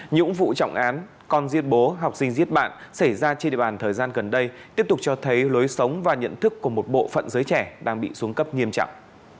những vụ trọng án con giết bố học sinh giết bạn xảy ra trên địa bàn thời gian gần đây tiếp tục cho thấy lối sống và nhận thức của một bộ phận giới trẻ đang bị xuống cấp nghiêm trọng